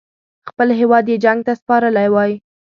خپل هیواد یې جنګ ته سپارلی وای.